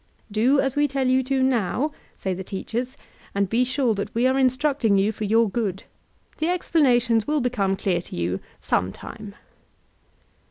"Do as we tell you to, now," say the teachers, ''and be sure that we are instructing you for your good. The explanations will become clear to you some time."